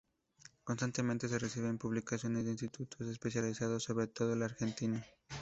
Constantemente se reciben publicaciones de institutos especializados, sobre todo de Argentina.